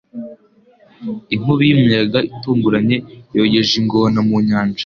Inkubi y'umuyaga itunguranye yogeje ingona mu nyanja.